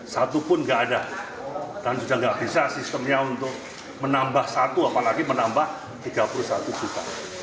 satupun gak ada dan juga gak bisa sistemnya untuk menambah satu apalagi menambah tiga puluh satu juta